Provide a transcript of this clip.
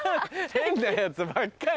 変なヤツばっかり。